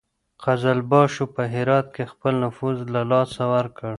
قزلباشو په هرات کې خپل نفوذ له لاسه ورکړ.